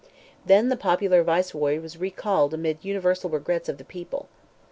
_ Then, the popular Viceroy was recalled amid the universal regrets of the people.